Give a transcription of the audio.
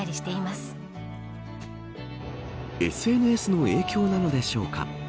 ＳＮＳの影響なのでしょうか。